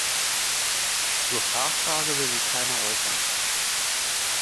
Zur K-Frage will sich keiner äußern.